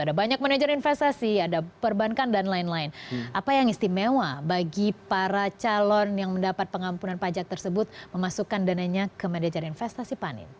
ada banyak manajer investasi ada perbankan dan lain lain apa yang istimewa bagi para calon yang mendapat pengampunan pajak tersebut memasukkan dananya ke manajer investasi panen